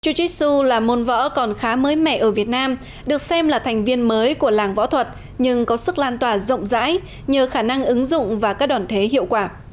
jitsu là môn võ còn khá mới mẻ ở việt nam được xem là thành viên mới của làng võ thuật nhưng có sức lan tỏa rộng rãi nhờ khả năng ứng dụng và các đoàn thế hiệu quả